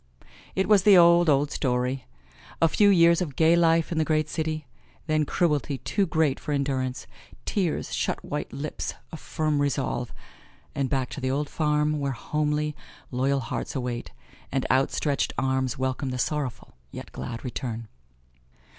It was the old, old story a few years of gay life in the great city, then cruelty too great for endurance, tears, shut white lips, a firm resolve and back to the old farm where homely, loyal hearts await, and outstretched arms welcome the sorrowful, yet glad return.